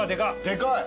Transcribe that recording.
でかい。